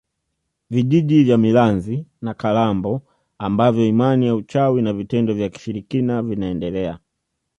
Vijiji vya Milanzi na Kalambo ambavyo imani ya uchawi na vitendo vya kishirikina vinaendelea